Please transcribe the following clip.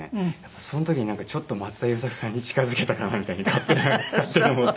その時にちょっと松田優作さんに近づけたかなみたいに勝手に思ったりもして。